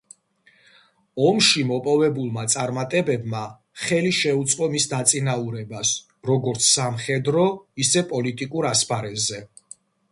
ომში მოპოვებულმა წარმატებებმა ხელი შეუწყო მის დაწინაურებას როგორც სამხედრო, ისე პოლიტიკურ ასპარეზზე.